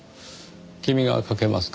君がかけますか？